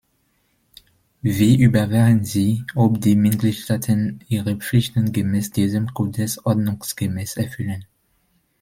Wie überwachen Sie, ob die Mitgliedstaaten ihre Pflichten gemäß diesem Kodex ordnungsgemäß erfüllen?